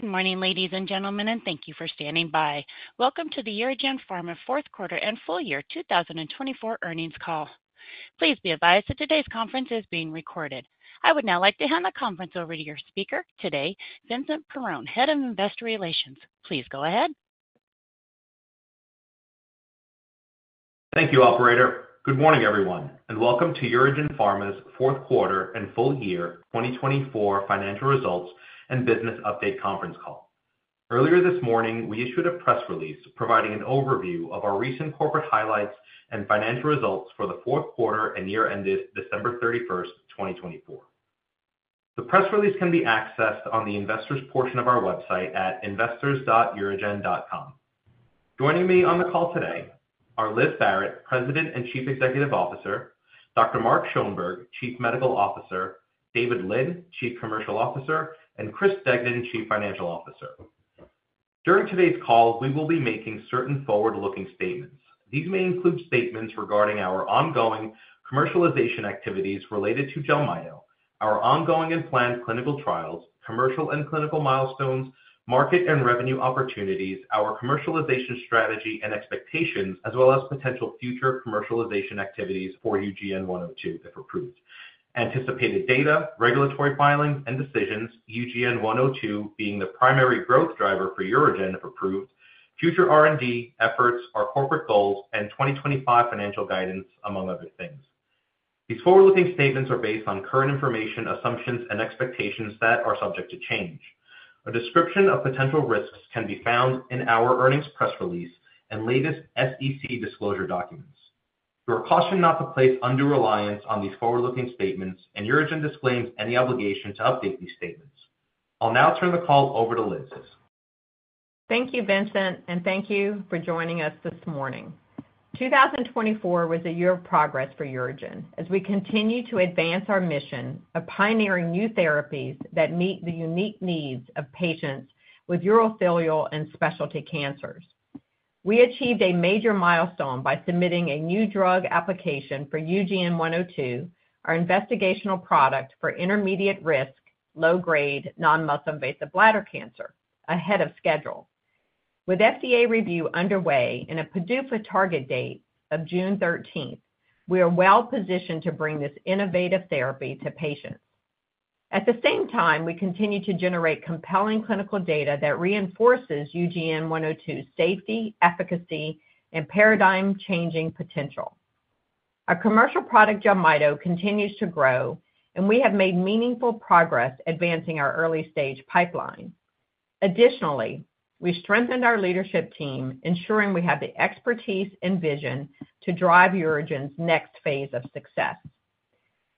Good morning, ladies and gentlemen, and thank you for standing by. Welcome to the UroGen Pharma fourth quarter and full year 2024 Earnings Call. Please be advised that today's conference is being recorded. I would now like to hand the conference over to your speaker today, Vincent Perrone, Head of Investor Relations. Please go ahead. Thank you, Operator. Good morning, everyone, and welcome to UroGen Pharma's fourth quarter and full year 2024 financial results and business update conference call. Earlier this morning, we issued a press release providing an overview of our recent corporate highlights and financial results for the fourth quarter and year ended December 31, 2024. The press release can be accessed on the investors' portion of our website at investors.urogen.com. Joining me on the call today are Liz Barrett, President and Chief Executive Officer; Dr. Mark Schoenberg, Chief Medical Officer; David Lin, Chief Commercial Officer; and Chris Degnan, Chief Financial Officer. During today's call, we will be making certain forward-looking statements. These may include statements regarding our ongoing commercialization activities related to Jelmyto, our ongoing and planned clinical trials, commercial and clinical milestones, market and revenue opportunities, our commercialization strategy and expectations, as well as potential future commercialization activities for UGN-102 if approved, anticipated data, regulatory filings, and decisions, UGN-102 being the primary growth driver for UroGen if approved, future R&D efforts, our corporate goals, and 2025 financial guidance, among other things. These forward-looking statements are based on current information, assumptions, and expectations that are subject to change. A description of potential risks can be found in our earnings press release and latest SEC disclosure documents. You are cautioned not to place undue reliance on these forward-looking statements, and UroGen disclaims any obligation to update these statements. I'll now turn the call over to Liz. Thank you, Vincent, and thank you for joining us this morning. 2024 was a year of progress for UroGen as we continue to advance our mission of pioneering new therapies that meet the unique needs of patients with urothelial and specialty cancers. We achieved a major milestone by submitting a new drug application for UGN-102, our investigational product for intermediate-risk, low-grade, non-muscle invasive bladder cancer, ahead of schedule. With FDA review underway and a PDUFA target date of June 13, we are well positioned to bring this innovative therapy to patients. At the same time, we continue to generate compelling clinical data that reinforces UGN-102's safety, efficacy, and paradigm-changing potential. Our commercial product Jelmyto continues to grow, and we have made meaningful progress advancing our early-stage pipeline. Additionally, we strengthened our leadership team, ensuring we have the expertise and vision to drive UroGen's next phase of success.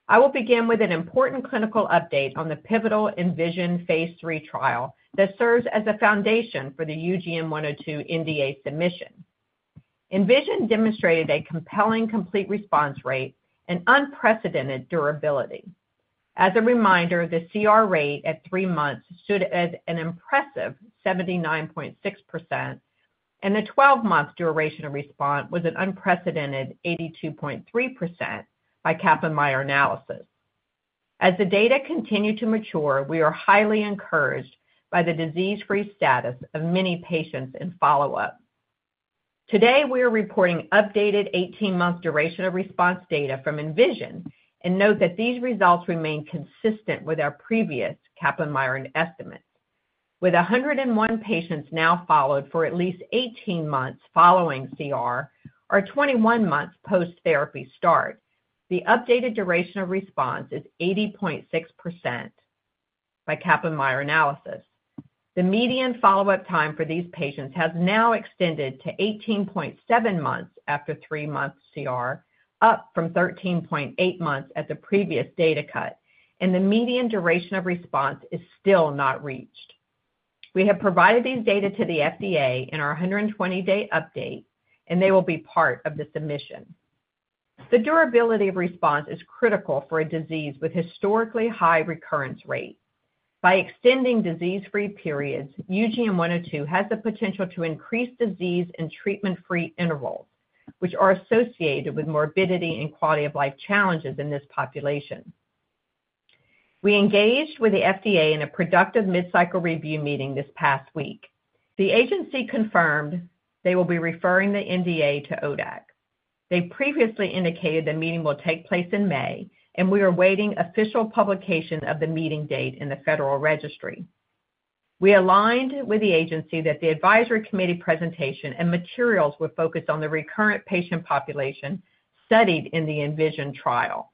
I will begin with an important clinical update on the pivotal Envision phase III trial that serves as a foundation for the UGN-102 NDA submission. Envision demonstrated a compelling complete response rate and unprecedented durability. As a reminder, the CR rate at three months stood at an impressive 79.6%, and the 12-month duration of response was an unprecedented 82.3% by Kaplan-Meier analysis. As the data continue to mature, we are highly encouraged by the disease-free status of many patients in follow-up. Today, we are reporting updated 18-month duration of response data from Envision and note that these results remain consistent with our previous Kaplan-Meier estimates. With 101 patients now followed for at least 18 months following CR, or 21 months post therapy start, the updated duration of response is 80.6% by Kaplan-Meier analysis. The median follow-up time for these patients has now extended to 18.7 months after three-month CR, up from 13.8 months at the previous data cut, and the median duration of response is still not reached. We have provided these data to the FDA in our 120-day update, and they will be part of the submission. The durability of response is critical for a disease with historically high recurrence rate. By extending disease-free periods, UGN-102 has the potential to increase disease and treatment-free intervals, which are associated with morbidity and quality of life challenges in this population. We engaged with the FDA in a productive mid-cycle review meeting this past week. The agency confirmed they will be referring the NDA to ODAC. They previously indicated the meeting will take place in May, and we are awaiting official publication of the meeting date in the Federal Register. We aligned with the agency that the advisory committee presentation and materials were focused on the recurrent patient population studied in the Envision trial.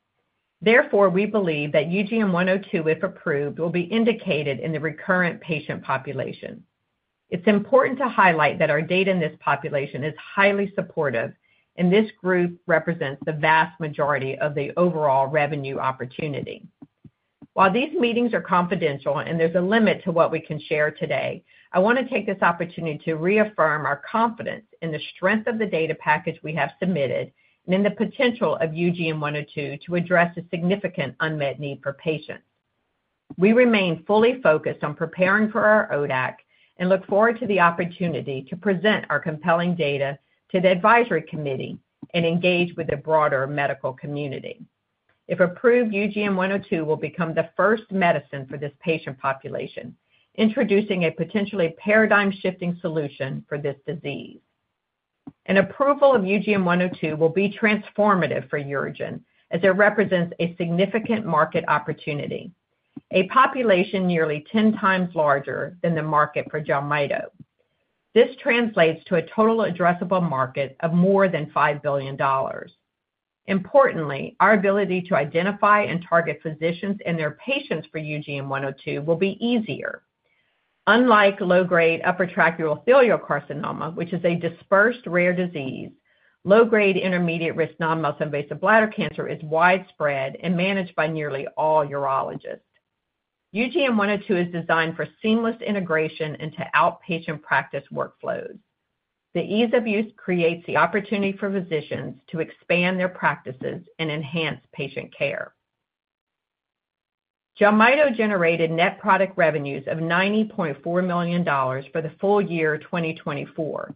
Therefore, we believe that UGN-102, if approved, will be indicated in the recurrent patient population. It's important to highlight that our data in this population is highly supportive, and this group represents the vast majority of the overall revenue opportunity. While these meetings are confidential and there's a limit to what we can share today, I want to take this opportunity to reaffirm our confidence in the strength of the data package we have submitted and in the potential of UGN-102 to address a significant unmet need for patients. We remain fully focused on preparing for our ODAC and look forward to the opportunity to present our compelling data to the advisory committee and engage with the broader medical community. If approved, UGN-102 will become the first medicine for this patient population, introducing a potentially paradigm-shifting solution for this disease. An approval of UGN-102 will be transformative for UroGen as it represents a significant market opportunity: a population nearly 10 times larger than the market for Jelmyto. This translates to a total addressable market of more than $5 billion. Importantly, our ability to identify and target physicians and their patients for UGN-102 will be easier. Unlike low-grade upper tract urothelial carcinoma, which is a dispersed rare disease, low-grade intermediate risk non-muscle invasive bladder cancer is widespread and managed by nearly all urologists. UGN-102 is designed for seamless integration into outpatient practice workflows. The ease of use creates the opportunity for physicians to expand their practices and enhance patient care. Jelmyto generated net product revenues of $90.4 million for the full year 2024,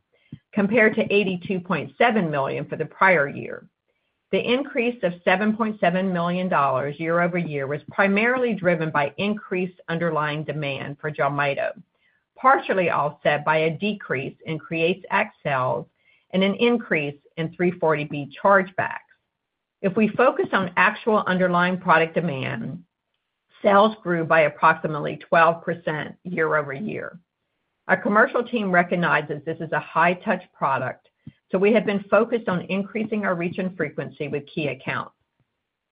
compared to $82.7 million for the prior year. The increase of $7.7 million year over year was primarily driven by increased underlying demand for Jelmyto, partially offset by a decrease in RTGel sales and an increase in 340B chargebacks. If we focus on actual underlying product demand, sales grew by approximately 12% year over year. Our commercial team recognizes this is a high-touch product, so we have been focused on increasing our reach and frequency with key accounts.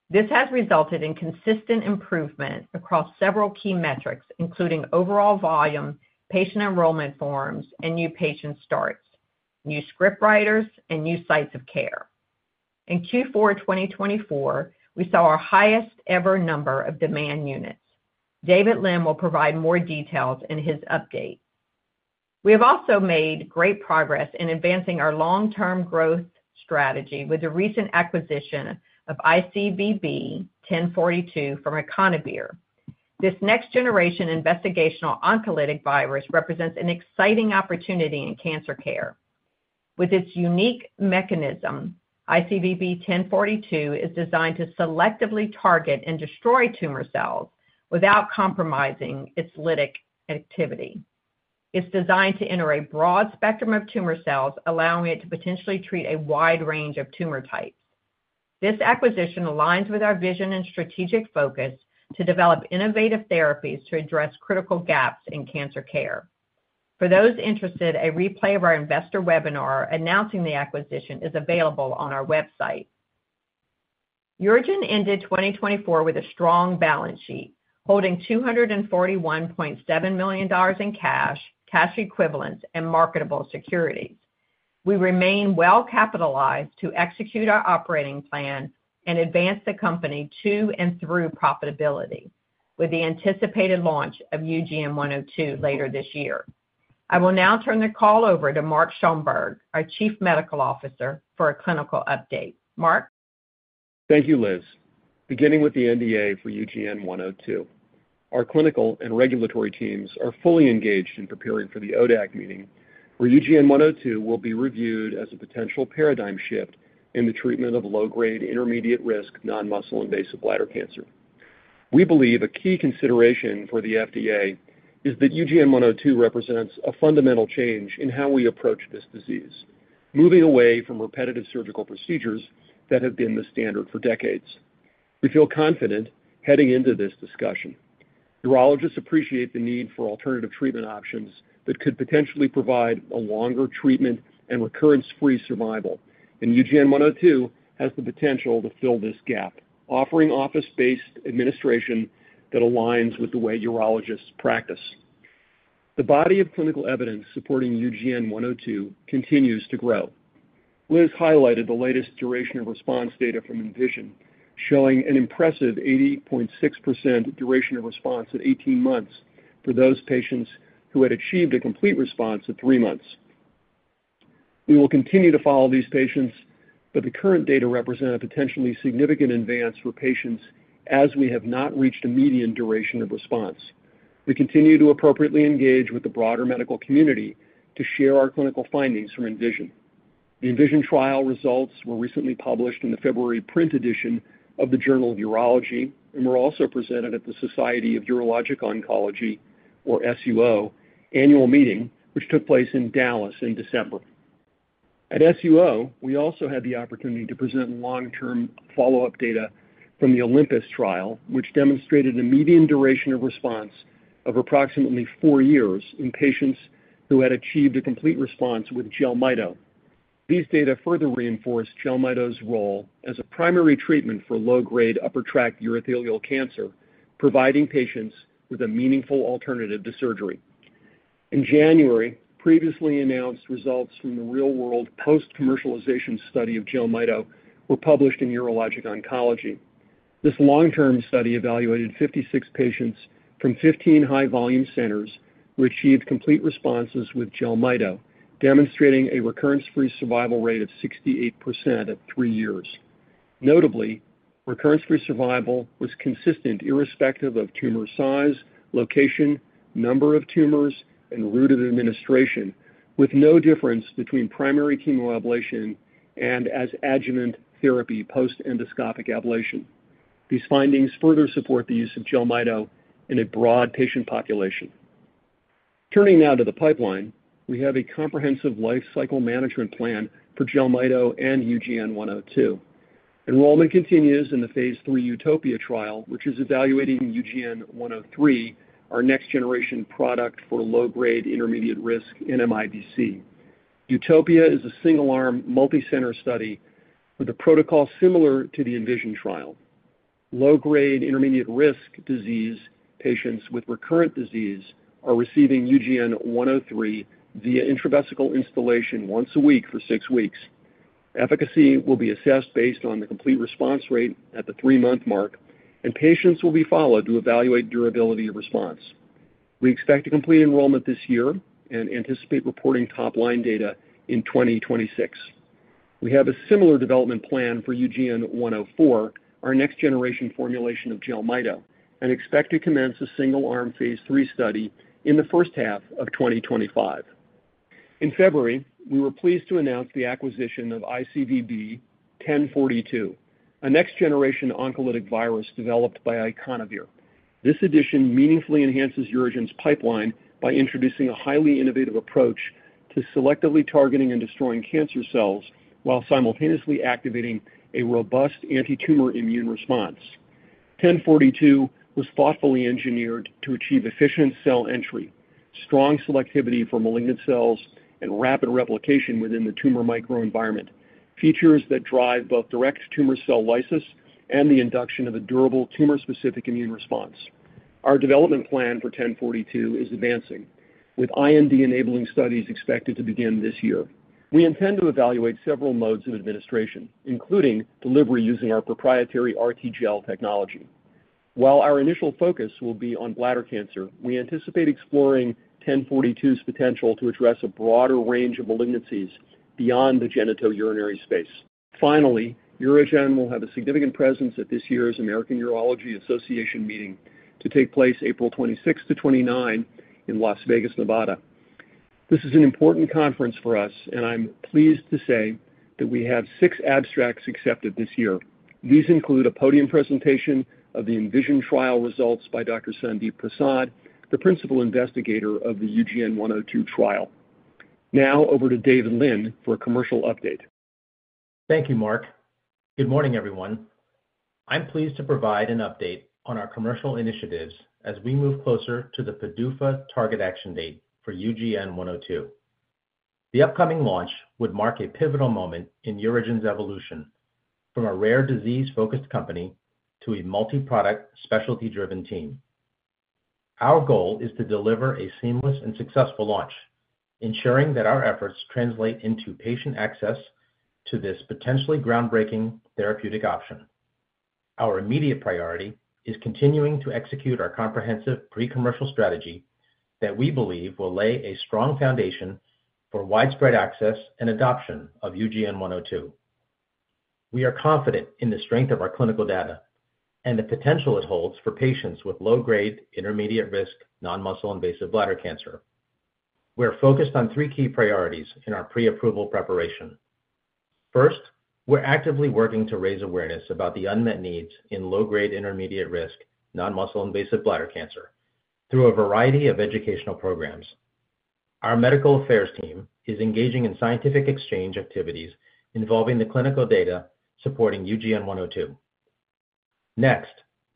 This has resulted in consistent improvement across several key metrics, including overall volume, patient enrollment forms, and new patient starts, new script writers, and new sites of care. In Q4 2024, we saw our highest-ever number of demand units. David Lin will provide more details in his update. We have also made great progress in advancing our long-term growth strategy with the recent acquisition of ICVB-1042 from Treovir. This next-generation investigational oncolytic virus represents an exciting opportunity in cancer care. With its unique mechanism, ICVB-1042 is designed to selectively target and destroy tumor cells without compromising its lytic activity. It's designed to enter a broad spectrum of tumor cells, allowing it to potentially treat a wide range of tumor types. This acquisition aligns with our vision and strategic focus to develop innovative therapies to address critical gaps in cancer care. For those interested, a replay of our investor webinar announcing the acquisition is available on our website. UroGen ended 2024 with a strong balance sheet, holding $241.7 million in cash, cash equivalents, and marketable securities. We remain well capitalized to execute our operating plan and advance the company to and through profitability with the anticipated launch of UGN-102 later this year. I will now turn the call over to Mark Schoenberg, our Chief Medical Officer, for a clinical update. Mark. Thank you, Liz. Beginning with the NDA for UGN-102, our clinical and regulatory teams are fully engaged in preparing for the ODAC meeting, where UGN-102 will be reviewed as a potential paradigm shift in the treatment of low-grade, intermediate risk, non-muscle invasive bladder cancer. We believe a key consideration for the FDA is that UGN-102 represents a fundamental change in how we approach this disease, moving away from repetitive surgical procedures that have been the standard for decades. We feel confident heading into this discussion. Urologists appreciate the need for alternative treatment options that could potentially provide a longer treatment and recurrence-free survival, and UGN-102 has the potential to fill this gap, offering office-based administration that aligns with the way urologists practice. The body of clinical evidence supporting UGN-102 continues to grow. Liz highlighted the latest duration of response data from Envision, showing an impressive 80.6% duration of response at 18 months for those patients who had achieved a complete response at three months. We will continue to follow these patients, but the current data represent a potentially significant advance for patients as we have not reached a median duration of response. We continue to appropriately engage with the broader medical community to share our clinical findings from Envision. The Envision trial results were recently published in the February print edition of the Journal of Urology, and were also presented at the Society of Urologic Oncology, or SUO, annual meeting, which took place in Dallas in December. At SUO, we also had the opportunity to present long-term follow-up data from the Olympus trial, which demonstrated a median duration of response of approximately four years in patients who had achieved a complete response with Jelmyto. These data further reinforce Jelmyto's role as a primary treatment for low-grade upper tract urothelial cancer, providing patients with a meaningful alternative to surgery. In January, previously announced results from the real-world post-commercialization study of Jelmyto were published in Urologic Oncology. This long-term study evaluated 56 patients from 15 high-volume centers who achieved complete responses withJelmyto, demonstrating a recurrence-free survival rate of 68% at three years. Notably, recurrence-free survival was consistent irrespective of tumor size, location, number of tumors, and route of administration, with no difference between primary chemoablation and as adjuvant therapy post-endoscopic ablation. These findings further support the use of Jelmyto in a broad patient population. Turning now to the pipeline, we have a comprehensive life cycle management plan for Jelmyto and UGN-102. Enrollment continues in the phase III Utopia trial, which is evaluating UGN-103, our next-generation product for low-grade, intermediate risk NMIBC. Utopia is a single-arm, multi-center study with a protocol similar to the Envision trial. Low-grade, intermediate risk disease patients with recurrent disease are receiving UGN-103 via intravesical instillation once a week for six weeks. Efficacy will be assessed based on the complete response rate at the three-month mark, and patients will be followed to evaluate durability of response. We expect to complete enrollment this year and anticipate reporting top-line data in 2026. We have a similar development plan for UGN-104, our next-generation formulation of Jelmyto, and expect to commence a single-arm phase III study in the first half of 2025. In February, we were pleased to announce the acquisition of ICVB-1042, a next-generation oncolytic virus developed by Treovir. This addition meaningfully enhances UroGen's pipeline by introducing a highly innovative approach to selectively targeting and destroying cancer cells while simultaneously activating a robust anti-tumor immune response. 1042 was thoughtfully engineered to achieve efficient cell entry, strong selectivity for malignant cells, and rapid replication within the tumor microenvironment, features that drive both direct tumor cell lysis and the induction of a durable tumor-specific immune response. Our development plan for 1042 is advancing, with IND-enabling studies expected to begin this year. We intend to evaluate several modes of administration, including delivery using our proprietary RTGel technology. While our initial focus will be on bladder cancer, we anticipate exploring 1042's potential to address a broader range of malignancies beyond the genitourinary space. Finally, UroGen will have a significant presence at this year's American Urological Association meeting to take place April 26 to 29 in Las Vegas, Nevada. This is an important conference for us, and I'm pleased to say that we have six abstracts accepted this year. These include a podium presentation of the Envision trial results by Dr. Sandeep Prasad, the principal investigator of the UGN-102 trial. Now, over to David Lin for a commercial update. Thank you, Mark. Good morning, everyone. I'm pleased to provide an update on our commercial initiatives as we move closer to the PDUFA target action date for UGN-102. The upcoming launch would mark a pivotal moment in UroGen's evolution from a rare disease-focused company to a multi-product, specialty-driven team. Our goal is to deliver a seamless and successful launch, ensuring that our efforts translate into patient access to this potentially groundbreaking therapeutic option. Our immediate priority is continuing to execute our comprehensive pre-commercial strategy that we believe will lay a strong foundation for widespread access and adoption of UGN-102. We are confident in the strength of our clinical data and the potential it holds for patients with low-grade, intermediate risk, non-muscle invasive bladder cancer. We're focused on three key priorities in our pre-approval preparation. First, we're actively working to raise awareness about the unmet needs in low-grade, intermediate-risk, non-muscle invasive bladder cancer through a variety of educational programs. Our medical affairs team is engaging in scientific exchange activities involving the clinical data supporting UGN-102. Next,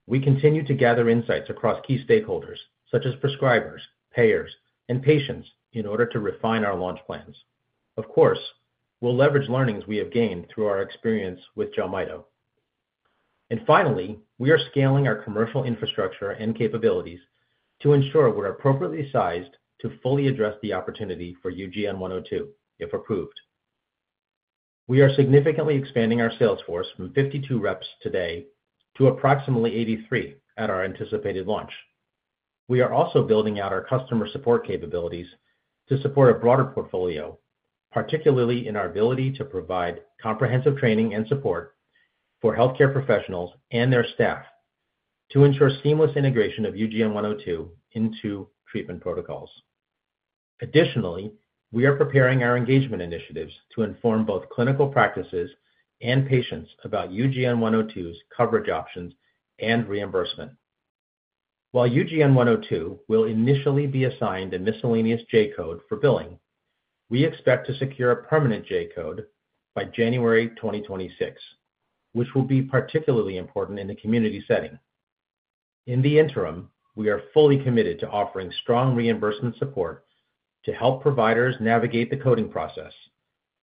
we continue to gather insights across key stakeholders, such as prescribers, payers, and patients, in order to refine our launch plans. Of course, we'll leverage learnings we have gained through our experience with Jelmyto. Finally, we are scaling our commercial infrastructure and capabilities to ensure we're appropriately sized to fully address the opportunity for UGN-102, if approved. We are significantly expanding our sales force from 52 reps today to approximately 83 at our anticipated launch. We are also building out our customer support capabilities to support a broader portfolio, particularly in our ability to provide comprehensive training and support for healthcare professionals and their staff to ensure seamless integration of UGN-102 into treatment protocols. Additionally, we are preparing our engagement initiatives to inform both clinical practices and patients about UGN-102's coverage options and reimbursement. While UGN-102 will initially be assigned a miscellaneous J-code for billing, we expect to secure a permanent J-code by January 2026, which will be particularly important in the community setting. In the interim, we are fully committed to offering strong reimbursement support to help providers navigate the coding process,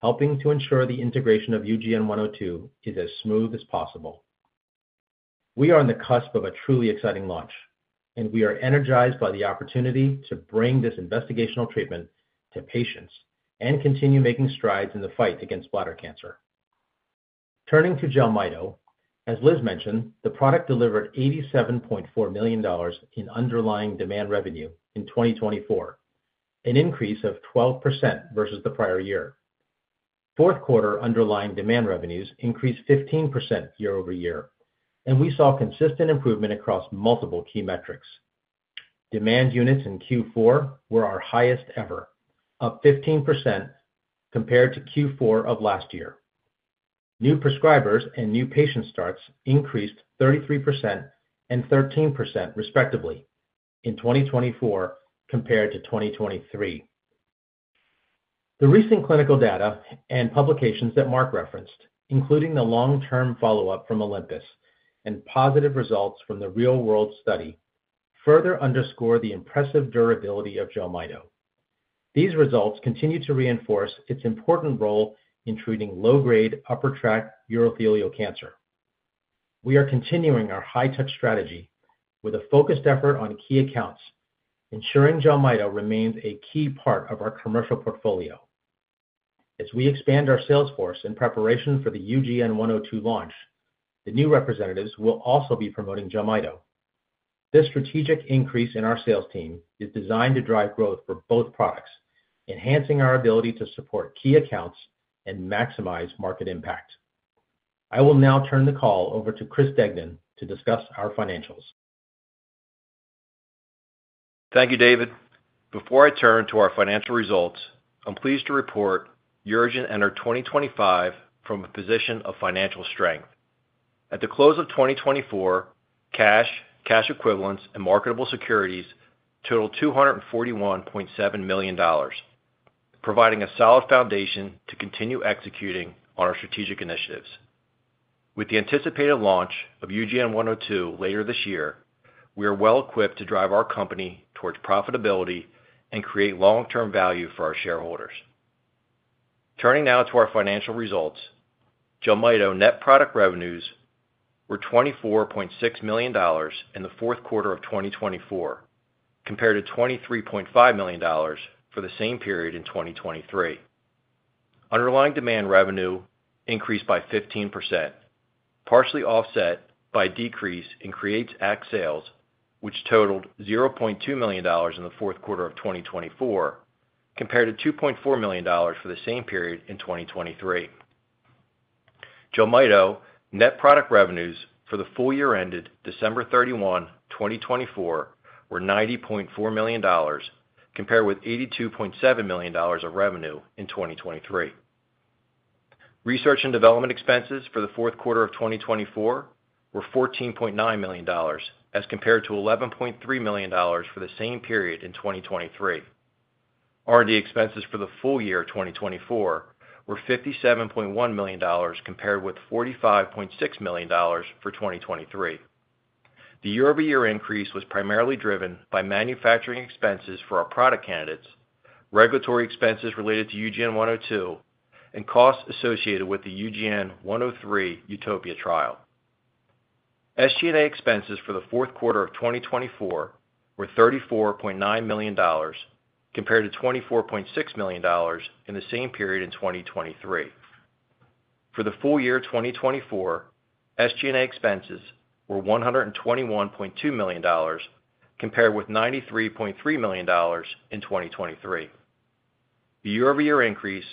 helping to ensure the integration of UGN-102 is as smooth as possible. We are on the cusp of a truly exciting launch, and we are energized by the opportunity to bring this investigational treatment to patients and continue making strides in the fight against bladder cancer. Turning to Jelmyto, as Liz mentioned, the product delivered $87.4 million in underlying demand revenue in 2024, an increase of 12% versus the prior year. Fourth quarter underlying demand revenues increased 15% year over year, and we saw consistent improvement across multiple key metrics. Demand units in Q4 were our highest ever, up 15% compared to Q4 of last year. New prescribers and new patient starts increased 33% and 13%, respectively, in 2024 compared to 2023. The recent clinical data and publications that Mark referenced, including the long-term follow-up from Olympus and positive results from the real-world study, further underscore the impressive durability of Jelmyto. These results continue to reinforce its important role in treating low-grade, upper tract urothelial cancer. We are continuing our high-touch strategy with a focused effort on key accounts, ensuring Jelmyto remains a key part of our commercial portfolio. As we expand our sales force in preparation for the UGN-102 launch, the new representatives will also be promoting Jelmyto. This strategic increase in our sales team is designed to drive growth for both products, enhancing our ability to support key accounts and maximize market impact. I will now turn the call over to Chris Degnan to discuss our financials. Thank you, David. Before I turn to our financial results, I'm pleased to report UroGen entered 2025 from a position of financial strength. At the close of 2024, cash, cash equivalents, and marketable securities totaled $241.7 million, providing a solid foundation to continue executing on our strategic initiatives. With the anticipated launch of UGN-102 later this year, we are well-equipped to drive our company towards profitability and create long-term value for our shareholders. Turning now to our financial results, Jelmyto net product revenues were $24.6 million in the fourth quarter of 2024, compared to $23.5 million for the same period in 2023. Underlying demand revenue increased by 15%, partially offset by a decrease in RTGel sales, which totaled $0.2 million in the fourth quarter of 2024, compared to $2.4 million for the same period in 2023. Jelmyto net product revenues for the full year ended December 31, 2024, were $90.4 million, compared with $82.7 million of revenue in 2023. Research and development expenses for the fourth quarter of 2024 were $14.9 million, as compared to $11.3 million for the same period in 2023. R&D expenses for the full year of 2024 were $57.1 million, compared with $45.6 million for 2023. The year-over-year increase was primarily driven by manufacturing expenses for our product candidates, regulatory expenses related to UGN-102, and costs associated with the UGN-103 Utopia trial. SG&A expenses for the fourth quarter of 2024 were $34.9 million, compared to $24.6 million in the same period in 2023. For the full year of 2024, SG&A expenses were $121.2 million, compared with $93.3 million in 2023. The year-over-year increase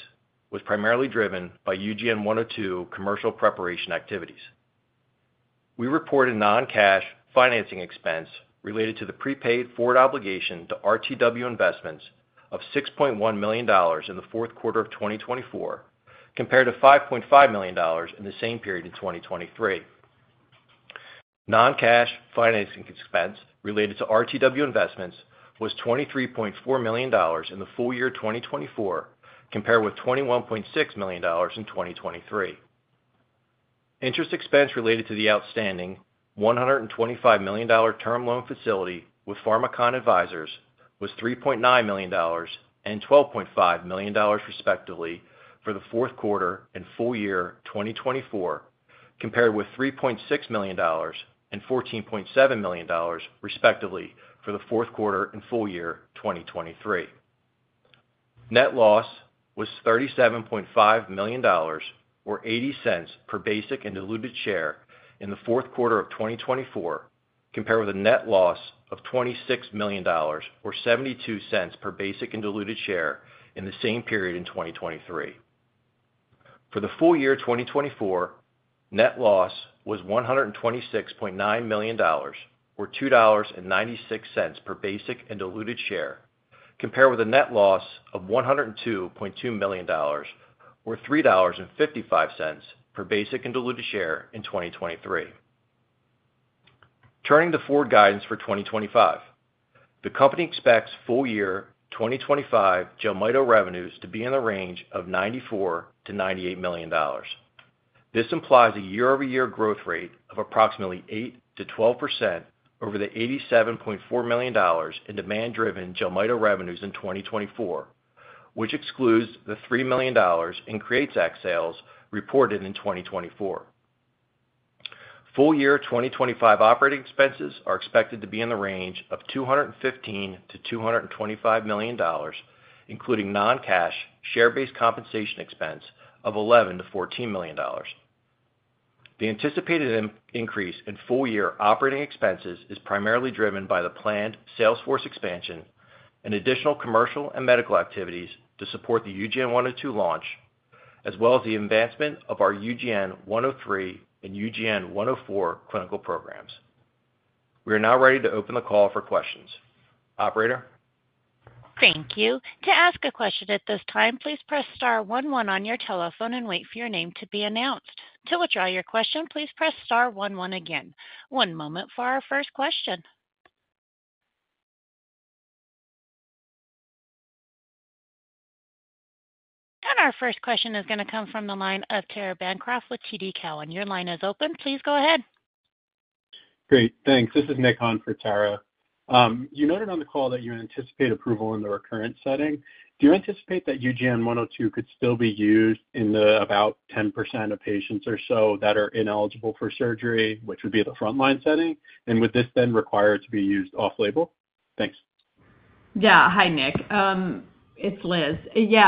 was primarily driven by UGN-102 commercial preparation activities. We reported non-cash financing expense related to the prepaid forward obligation to RTW Investments of $6.1 million in the fourth quarter of 2024, compared to $5.5 million in the same period in 2023. Non-cash financing expense related to RTW Investments was $23.4 million in the full year of 2024, compared with $21.6 million in 2023. Interest expense related to the outstanding $125 million term loan facility with Pharmakon Advisors was $3.9 million and $12.5 million, respectively, for the fourth quarter and full year 2024, compared with $3.6 million and $14.7 million, respectively, for the fourth quarter and full year 2023. Net loss was $37.5 million, or $0.80 per basic and diluted share in the fourth quarter of 2024, compared with a net loss of $26 million, or $0.72 per basic and diluted share in the same period in 2023. For the full year 2024, net loss was $126.9 million, or $2.96 per basic and diluted share, compared with a net loss of $102.2 million, or $3.55 per basic and diluted share in 2023. Turning to forward guidance for 2025, the company expects full year 2025 Jelmyto revenues to be in the range of $94-$98 million. This implies a year-over-year growth rate of approximately 8%-12% over the $87.4 million in demand-driven Jelmyto revenues in 2024, which excludes the $3 million in CREATES Act sales reported in 2024. Full year 2025 operating expenses are expected to be in the range of $215-$225 million, including non-cash share-based compensation expense of $11-$14 million. The anticipated increase in full year operating expenses is primarily driven by the planned sales force expansion and additional commercial and medical activities to support the UGN-102 launch, as well as the advancement of our UGN-103 and UGN-104 clinical programs. We are now ready to open the call for questions. Operator. Thank you. To ask a question at this time, please press star one one on your telephone and wait for your name to be announced. To withdraw your question, please press star one one again. One moment for our first question. Our first question is going to come from the line of Tara Bancroft with TD Cowen. Your line is open. Please go ahead. Great. Thanks. This is Nick Hunt for Tara. You noted on the call that you anticipate approval in the recurrent setting. Do you anticipate that UGN-102 could still be used in the about 10% of patients or so that are ineligible for surgery, which would be the frontline setting? Would this then require it to be used off-label? Thanks. Yeah. Hi, Nick. It's Liz. Yeah.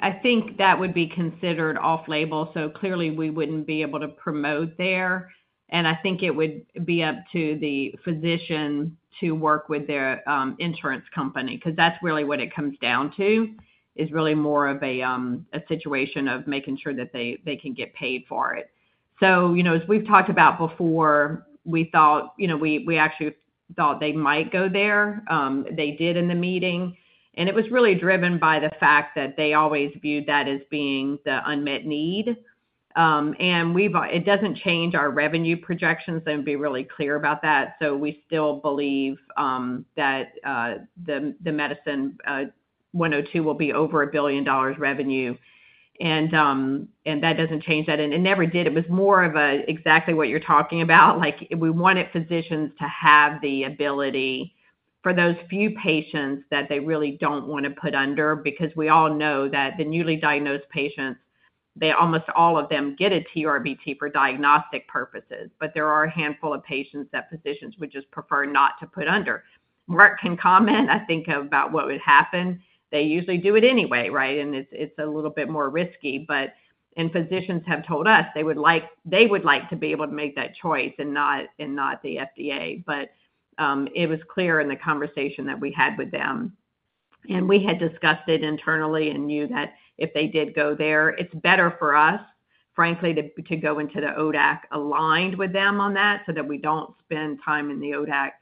I think that would be considered off-label. Clearly, we wouldn't be able to promote there. I think it would be up to the physician to work with their insurance company because that's really what it comes down to, is really more of a situation of making sure that they can get paid for it. As we've talked about before, we thought, we actually thought they might go there. They did in the meeting. It was really driven by the fact that they always viewed that as being the unmet need. It doesn't change our revenue projections. They would be really clear about that. We still believe that the medicine 102 will be over a billion dollars revenue. That doesn't change that. It never did. It was more of exactly what you're talking about. We wanted physicians to have the ability for those few patients that they really do not want to put under because we all know that the newly diagnosed patients, almost all of them get a TURBT for diagnostic purposes. There are a handful of patients that physicians would just prefer not to put under. Mark can comment, I think, about what would happen. They usually do it anyway, right? It is a little bit more risky. Physicians have told us they would like to be able to make that choice and not the FDA. It was clear in the conversation that we had with them. We had discussed it internally and knew that if they did go there, it's better for us, frankly, to go into the ODAC aligned with them on that so that we don't spend time in the ODAC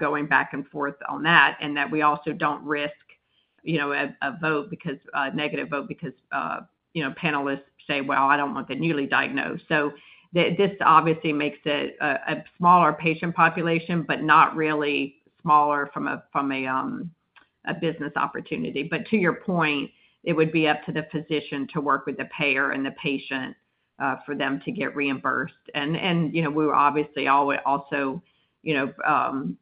going back and forth on that, and that we also don't risk a negative vote because panelists say, "Well, I don't want the newly diagnosed." This obviously makes it a smaller patient population, but not really smaller from a business opportunity. To your point, it would be up to the physician to work with the payer and the patient for them to get reimbursed. We were obviously also thinking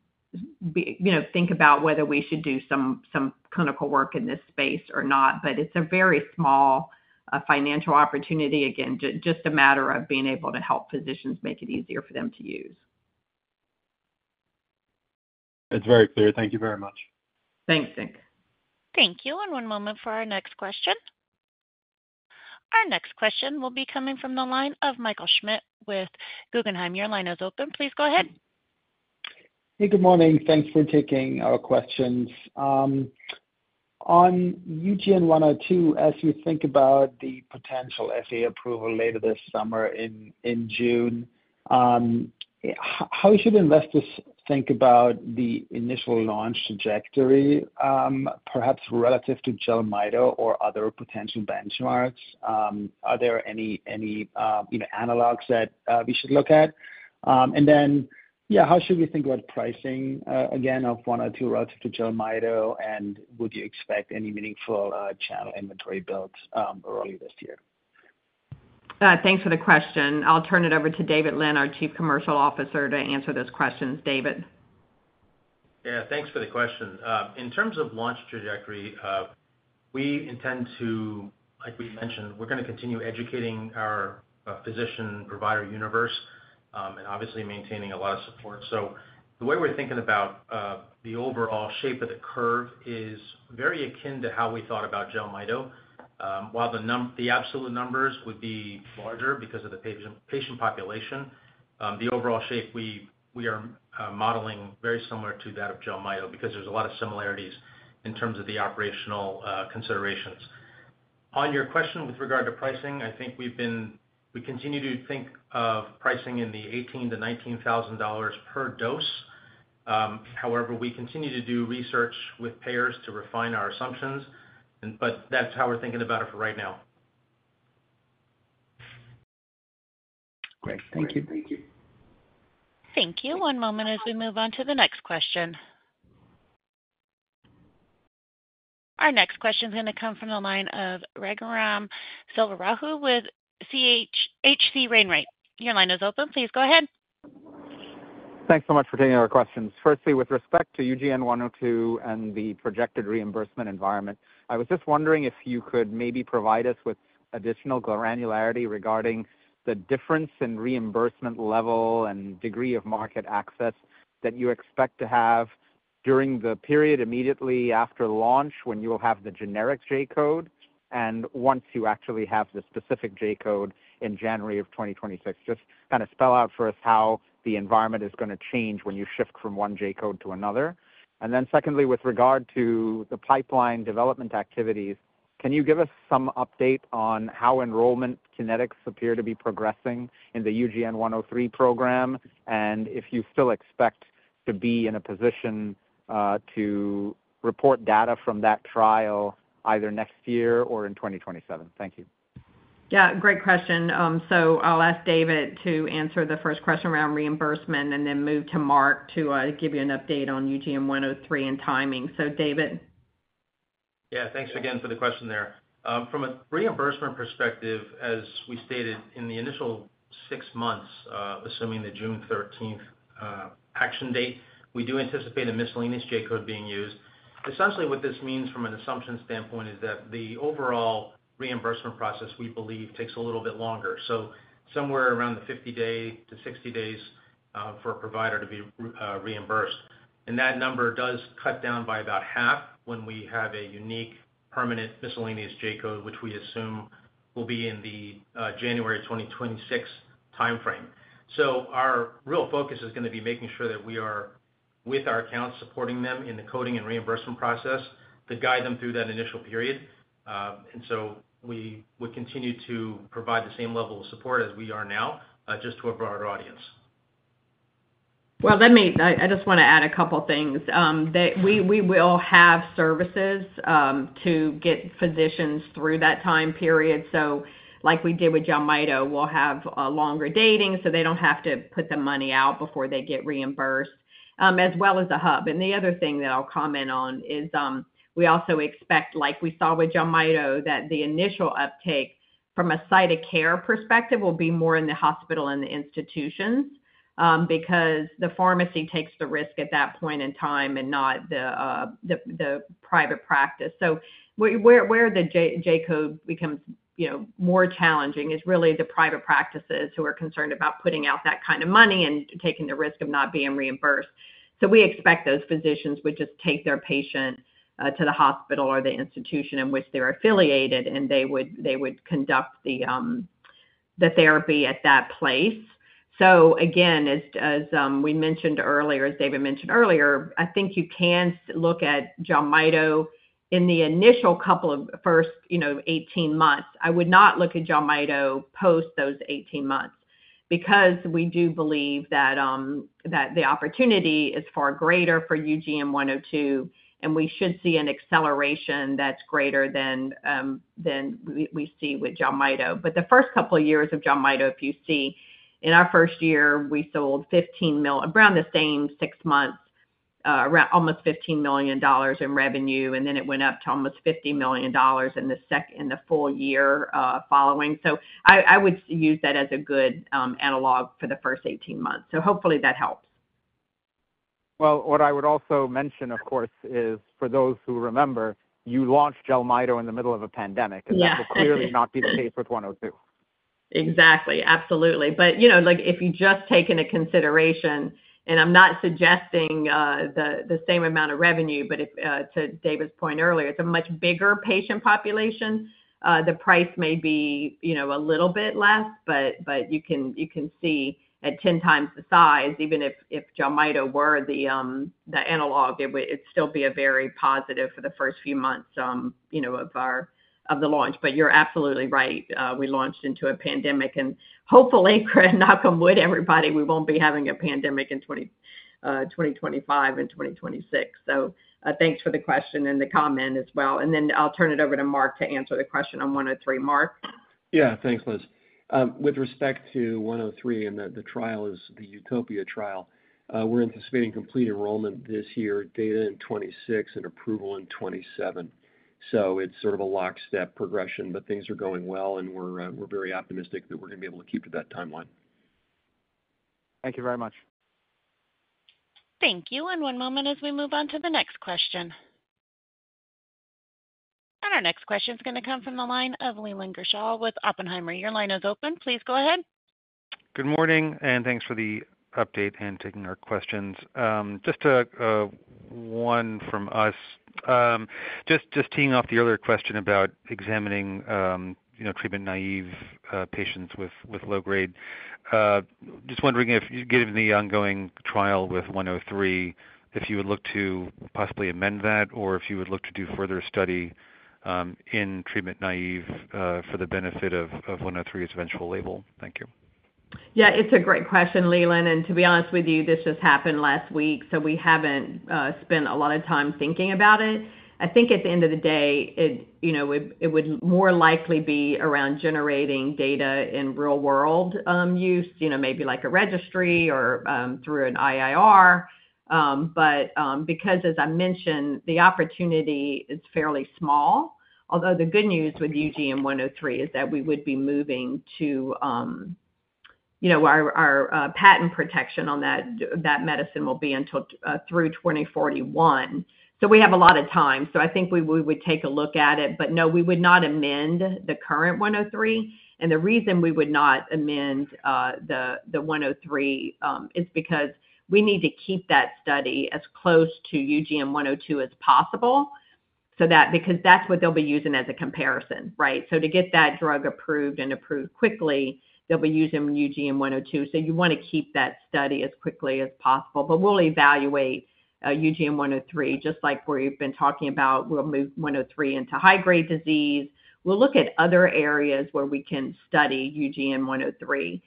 about whether we should do some clinical work in this space or not. It's a very small financial opportunity, again, just a matter of being able to help physicians make it easier for them to use. That's very clear. Thank you very much. Thanks, Nick. Thank you. One moment for our next question. Our next question will be coming from the line of Michael Schmidt with Guggenheim. Your line is open. Please go ahead. Hey, good morning. Thanks for taking our questions. On UGN-102, as you think about the potential FDA approval later this summer in June, how should investors think about the initial launch trajectory, perhaps relative to Jelmyto or other potential benchmarks? Are there any analogs that we should look at? Yeah, how should we think about pricing, again, of 102 relative to Jelmyto? Would you expect any meaningful channel inventory built early this year? Thanks for the question. I'll turn it over to David Lin, our Chief Commercial Officer, to answer those questions. David. Yeah. Thanks for the question. In terms of launch trajectory, we intend to, like we mentioned, we're going to continue educating our physician-provider universe and obviously maintaining a lot of support. The way we're thinking about the overall shape of the curve is very akin to how we thought about Jelmyto. While the absolute numbers would be larger because of the patient population, the overall shape we are modeling is very similar to that of Jelmyto because there's a lot of similarities in terms of the operational considerations. On your question with regard to pricing, I think we continue to think of pricing in the $18,000-$19,000 per dose. However, we continue to do research with payers to refine our assumptions. That's how we're thinking about it for right now. Great. Thank you. Thank you. Thank you. One moment as we move on to the next question. Our next question is going to come from the line of Raghuram Selvaraju with H.C. Wainwright. Your line is open. Please go ahead. Thanks so much for taking our questions. Firstly, with respect to UGN-102 and the projected reimbursement environment, I was just wondering if you could maybe provide us with additional granularity regarding the difference in reimbursement level and degree of market access that you expect to have during the period immediately after launch when you will have the generic J-code and once you actually have the specific J-code in January of 2026. Just kind of spell out for us how the environment is going to change when you shift from one J-code to another. Secondly, with regard to the pipeline development activities, can you give us some update on how enrollment kinetics appear to be progressing in the UGN-103 program and if you still expect to be in a position to report data from that trial either next year or in 2027? Thank you. Yeah. Great question. I'll ask David to answer the first question around reimbursement and then move to Mark to give you an update on UGN-103 and timing. David. Yeah. Thanks again for the question there. From a reimbursement perspective, as we stated in the initial six months, assuming the June 13 action date, we do anticipate a miscellaneous J-code being used. Essentially, what this means from an assumption standpoint is that the overall reimbursement process, we believe, takes a little bit longer. Somewhere around the 50-60 days for a provider to be reimbursed. That number does cut down by about half when we have a unique permanent miscellaneous J-code, which we assume will be in the January 2026 timeframe. Our real focus is going to be making sure that we are with our accounts supporting them in the coding and reimbursement process to guide them through that initial period. We would continue to provide the same level of support as we are now just to a broader audience. I just want to add a couple of things. We will have services to get physicians through that time period. Like we did with Jelmyto, we'll have longer dating so they don't have to put the money out before they get reimbursed, as well as the hub. The other thing that I'll comment on is we also expect, like we saw with Jelmyto, that the initial uptake from a site of care perspective will be more in the hospital and the institutions because the pharmacy takes the risk at that point in time and not the private practice. Where the J-code becomes more challenging is really the private practices who are concerned about putting out that kind of money and taking the risk of not being reimbursed. We expect those physicians would just take their patient to the hospital or the institution in which they're affiliated, and they would conduct the therapy at that place. As we mentioned earlier, as David mentioned earlier, I think you can look at Jelmyto in the initial couple of first 18 months. I would not look at Jelmyto post those 18 months because we do believe that the opportunity is far greater for UGN-102, and we should see an acceleration that's greater than we see with Jelmyto. The first couple of years of Jelmyto, if you see, in our first year, we sold around the same six months, almost $15 million in revenue, and then it went up to almost $50 million in the full year following. I would use that as a good analog for the first 18 months. Hopefully that helps. What I would also mention, of course, is for those who remember, you launched Jelmyto in the middle of a pandemic. That will clearly not be the case with 102. Exactly. Absolutely. If you just take into consideration, and I'm not suggesting the same amount of revenue, but to David's point earlier, it's a much bigger patient population. The price may be a little bit less, but you can see at 10 times the size, even if Jelmyto were the analog, it'd still be very positive for the first few months of the launch. You're absolutely right. We launched into a pandemic. Hopefully, credit knock on wood, everybody, we won't be having a pandemic in 2025 and 2026. Thanks for the question and the comment as well. I'll turn it over to Mark to answer the question on 103. Mark. Yeah. Thanks, Liz. With respect to 103 and that the trial is the Utopia trial, we're anticipating complete enrollment this year, data in 2026, and approval in 2027. It is sort of a lockstep progression, but things are going well, and we're very optimistic that we're going to be able to keep to that timeline. Thank you very much. Thank you. One moment as we move on to the next question. Our next question is going to come from the line of Leland Gershell with Oppenheimer. Your line is open. Please go ahead. Good morning, and thanks for the update and taking our questions. Just one from us. Just teeing off the earlier question about examining treatment naive patients with low-grade. Just wondering if, given the ongoing trial with 103, if you would look to possibly amend that or if you would look to do further study in treatment naive for the benefit of 103's eventual label. Thank you. Yeah. It's a great question, Leland. To be honest with you, this just happened last week. We haven't spent a lot of time thinking about it. I think at the end of the day, it would more likely be around generating data in real-world use, maybe like a registry or through an IIR. Because, as I mentioned, the opportunity is fairly small. Although the good news with UGN-103 is that we would be moving to our patent protection on that medicine will be until through 2041. We have a lot of time. I think we would take a look at it. No, we would not amend the current 103. The reason we would not amend the 103 is because we need to keep that study as close to UGN-102 as possible because that's what they'll be using as a comparison, right? To get that drug approved and approved quickly, they'll be using UGN-102. You want to keep that study as quickly as possible. We'll evaluate UGN-103 just like where you've been talking about. We'll move 103 into high-grade disease. We'll look at other areas where we can study UGN-103.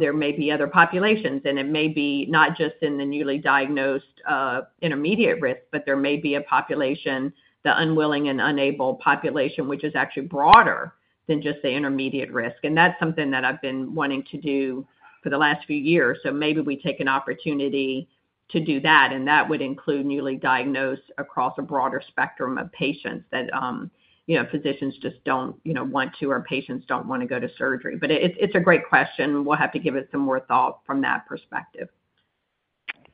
There may be other populations, and it may be not just in the newly diagnosed intermediate risk, but there may be a population, the unwilling and unable population, which is actually broader than just the intermediate risk. That's something that I've been wanting to do for the last few years. Maybe we take an opportunity to do that. That would include newly diagnosed across a broader spectrum of patients that physicians just don't want to or patients don't want to go to surgery. It's a great question. We'll have to give it some more thought from that perspective.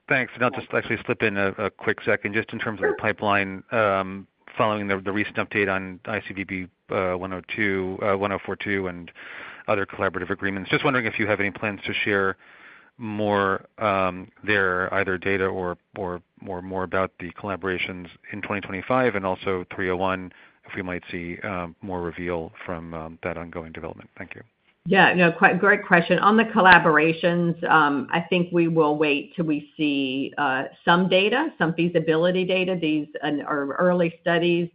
Thanks. I'll just actually slip in a quick second just in terms of the pipeline following the recent update on ICVB-1042 and other collaborative agreements. Just wondering if you have any plans to share more there, either data or more about the collaborations in 2025 and also 301, if we might see more reveal from that ongoing development. Thank you. Yeah. No, great question. On the collaborations, I think we will wait till we see some data, some feasibility data, these early studies.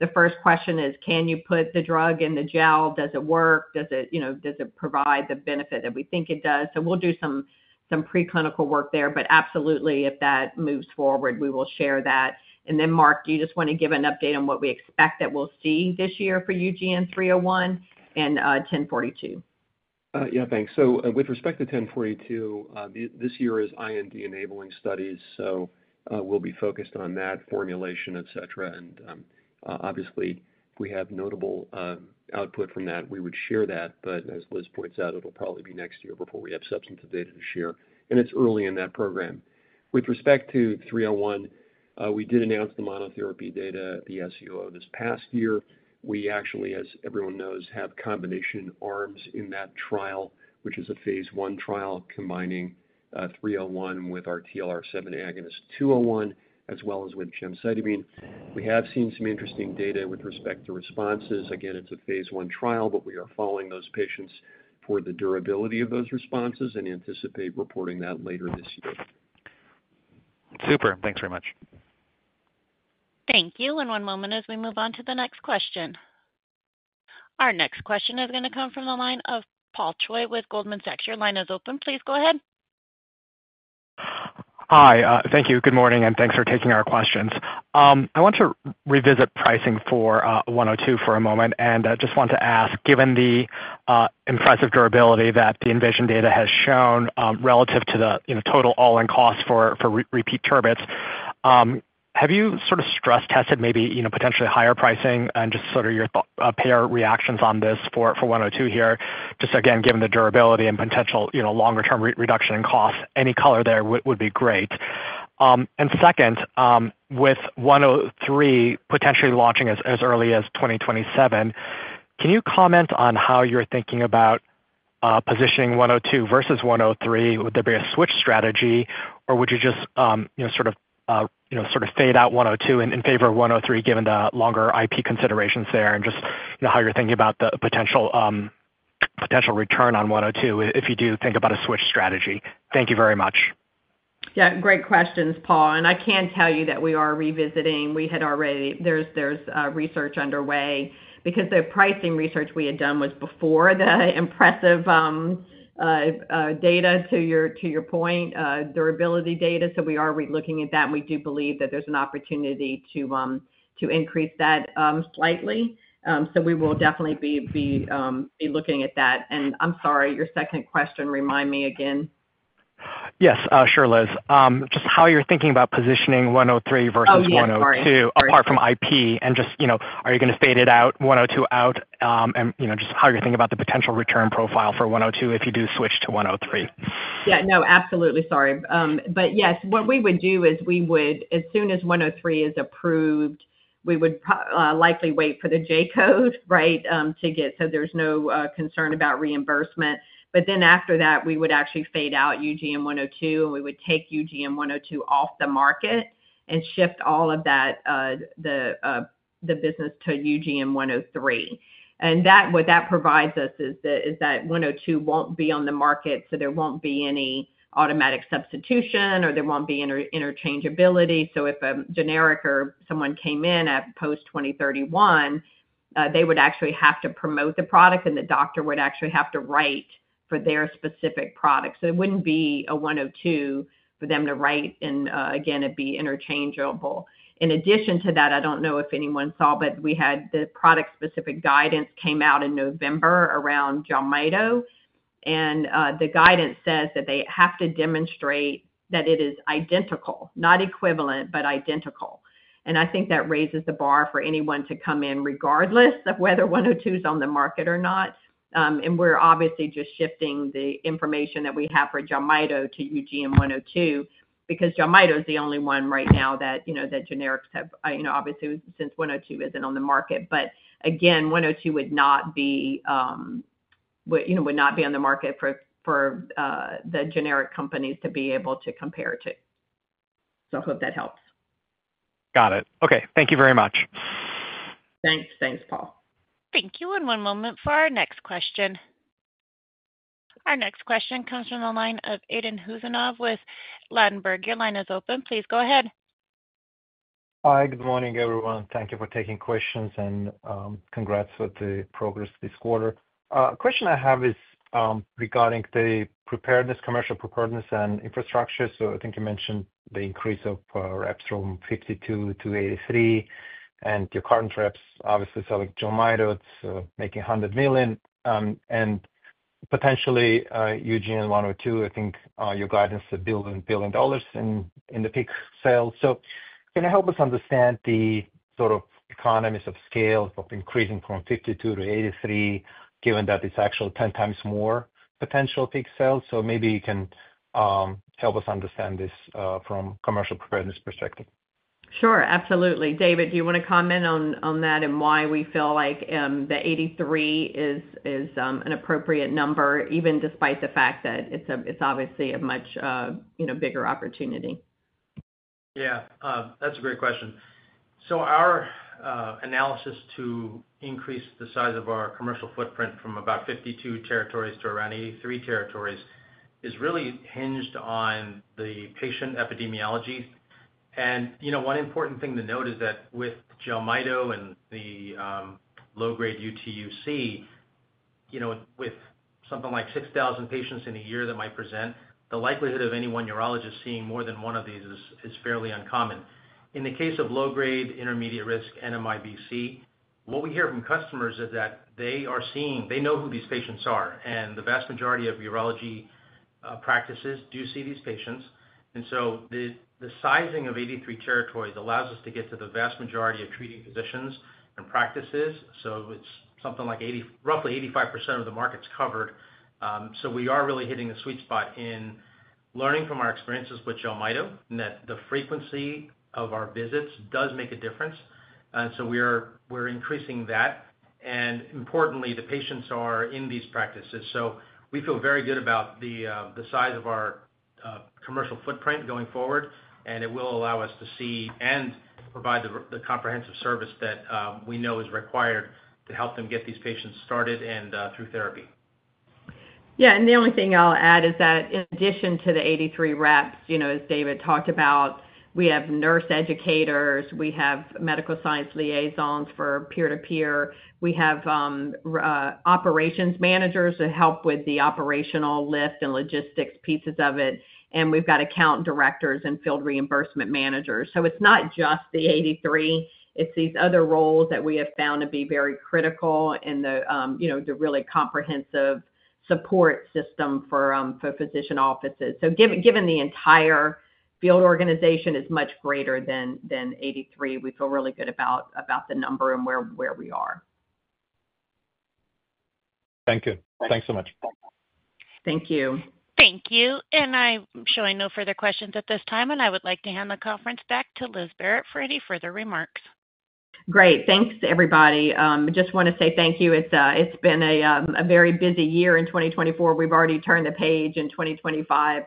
The first question is, can you put the drug in the gel? Does it work? Does it provide the benefit that we think it does? We will do some preclinical work there. Absolutely, if that moves forward, we will share that. Mark, do you just want to give an update on what we expect that we'll see this year for UGN-301 and 1042? Yeah. Thanks. With respect to 1042, this year is IND-enabling studies. We'll be focused on that formulation, etc. Obviously, if we have notable output from that, we would share that. As Liz points out, it'll probably be next year before we have substantive data to share. It's early in that program. With respect to 301, we did announce the monotherapy data at the SUO this past year. Actually, as everyone knows, we have combination arms in that trial, which is a phase one trial combining 301 with our TLR7 agonist 201, as well as with gemcitabine. We have seen some interesting data with respect to responses. Again, it's a phase one trial, but we are following those patients for the durability of those responses and anticipate reporting that later this year. Super. Thanks very much. Thank you. One moment as we move on to the next question. Our next question is going to come from the line of Paul Choi with Goldman Sachs. Your line is open. Please go ahead. Hi. Thank you. Good morning. Thanks for taking our questions. I want to revisit pricing for 102 for a moment. I just want to ask, given the impressive durability that the Envision data has shown relative to the total all-in cost for repeat TURBTs, have you sort of stress-tested maybe potentially higher pricing and just sort of your payer reactions on this for 102 here? Just again, given the durability and potential longer-term reduction in costs, any color there would be great. Second, with 103 potentially launching as early as 2027, can you comment on how you're thinking about positioning 102 versus 103? Would there be a switch strategy, or would you just sort of fade out 102 in favor of 103 given the longer IP considerations there and just how you're thinking about the potential return on 102 if you do think about a switch strategy? Thank you very much. Yeah. Great questions, Paul. I can tell you that we are revisiting. We had already—there's research underway because the pricing research we had done was before the impressive data, to your point, durability data. We are relooking at that. We do believe that there's an opportunity to increase that slightly. We will definitely be looking at that. I'm sorry, your second question, remind me again. Yes. Sure, Liz. Just how you're thinking about positioning 103 versus 102 apart from IP and just are you going to fade it out, 102 out, and just how you're thinking about the potential return profile for 102 if you do switch to 103? Yeah. No, absolutely. Sorry. Yes, what we would do is we would, as soon as 103 is approved, we would likely wait for the J code, right, to get so there's no concern about reimbursement. After that, we would actually fade out UGN-102, and we would take UGN-102 off the market and shift all of that, the business, to UGN-103. What that provides us is that 102 won't be on the market, so there won't be any automatic substitution, or there won't be interchangeability. If a generic or someone came in at post 2031, they would actually have to promote the product, and the doctor would actually have to write for their specific product. It wouldn't be a 102 for them to write, and again, it'd be interchangeable. In addition to that, I don't know if anyone saw, but we had the product-specific guidance came out in November around Jelmyto. The guidance says that they have to demonstrate that it is identical, not equivalent, but identical. I think that raises the bar for anyone to come in regardless of whether 102 is on the market or not. We are obviously just shifting the information that we have for Jelmyto to UGN-102 because Jelmyto is the only one right now that generics have, obviously since 102 isn't on the market. Again, 102 would not be on the market for the generic companies to be able to compare to. I hope that helps. Got it. Okay. Thank you very much. Thanks. Thanks, Paul. Thank you. One moment for our next question. Our next question comes from the line of Aydin Huseynov with Ladenburg. Your line is open. Please go ahead. Hi. Good morning, everyone. Thank you for taking questions and congrats with the progress this quarter. A question I have is regarding the preparedness, commercial preparedness, and infrastructure. I think you mentioned the increase of reps from 52 to 83. Your current reps, obviously, selling Jelmyto, it's making $100 million. Potentially, UGN-102, I think your guidance is a billion dollars in the peak sales. Can you help us understand the sort of economies of scale of increasing from 52 to 83, given that it's actually 10 times more potential peak sales? Maybe you can help us understand this from a commercial preparedness perspective. Sure. Absolutely. David, do you want to comment on that and why we feel like the 83 is an appropriate number, even despite the fact that it's obviously a much bigger opportunity? Yeah. That's a great question. Our analysis to increase the size of our commercial footprint from about 52 territories to around 83 territories is really hinged on the patient epidemiology. One important thing to note is that with Jelmyto and the low-grade UTUC, with something like 6,000 patients in a year that might present, the likelihood of any one urologist seeing more than one of these is fairly uncommon. In the case of low-grade intermediate-risk NMIBC, what we hear from customers is that they are seeing, they know who these patients are. The vast majority of urology practices do see these patients. The sizing of 83 territories allows us to get to the vast majority of treating physicians and practices. It's something like roughly 85% of the market's covered. We are really hitting the sweet spot in learning from our experiences with Jelmyto and that the frequency of our visits does make a difference. We are increasing that. Importantly, the patients are in these practices. We feel very good about the size of our commercial footprint going forward. It will allow us to see and provide the comprehensive service that we know is required to help them get these patients started and through therapy. Yeah. The only thing I'll add is that in addition to the 83 reps, as David talked about, we have nurse educators. We have medical science liaisons for peer-to-peer. We have operations managers to help with the operational lift and logistics pieces of it. We've got account directors and field reimbursement managers. It's not just the 83. It's these other roles that we have found to be very critical in the really comprehensive support system for physician offices. Given the entire field organization is much greater than 83, we feel really good about the number and where we are. Thank you. Thanks so much. Thank you. Thank you. I have no further questions at this time. I would like to hand the conference back to Liz Barrett for any further remarks. Great. Thanks, everybody. I just want to say thank you. It's been a very busy year in 2024. We've already turned the page in 2025.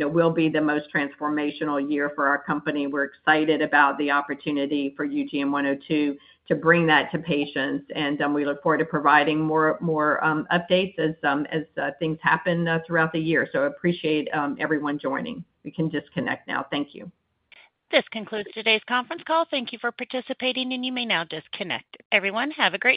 It will be the most transformational year for our company. We're excited about the opportunity for UGN-102 to bring that to patients. We look forward to providing more updates as things happen throughout the year. I appreciate everyone joining. We can disconnect now. Thank you. This concludes today's conference call. Thank you for participating. You may now disconnect. Everyone, have a great day.